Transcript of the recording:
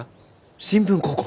新聞広告？